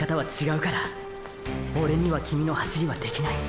オレにはキミの走りはできない。